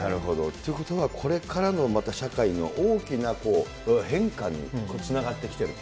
ということはこれからの社会の大きな変化につながってきていると？